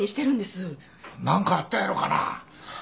何かあったんやろかな？